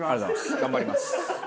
頑張ります。